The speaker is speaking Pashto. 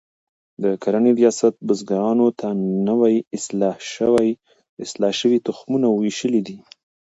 د کرنې ریاست بزګرانو ته نوي اصلاح شوي تخمونه ویشلي دي.